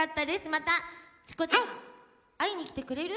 またチコちゃん会いに来てくれる？